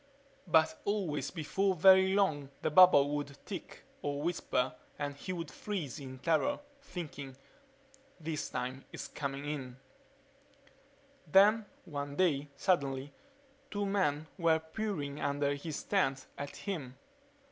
But always, before very long, the bubble would tick or whisper and he would freeze in terror, thinking, This time it's coming in ...Then one day, suddenly, two men were peering under his tent at him.